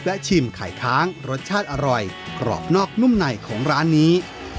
ชิมไข่ค้างรสชาติอร่อยกรอบนอกนุ่มในของร้านนี้